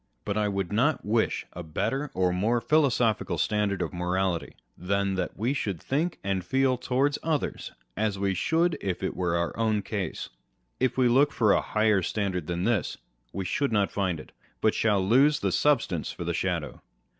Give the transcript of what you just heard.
But I wrould not wish a better or more philosophical standard of morality than that we should think and feel towards others as we should if it were our own case. If we look for a higher standard than this, we shall not find it ; but shall lose the substance for the shadow